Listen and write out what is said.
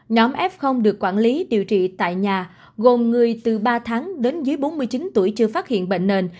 nhóm f được quản lý điều trị tại nhà gồm người từ ba tháng đến dưới bốn mươi chín tuổi chưa phát hiện bệnh nền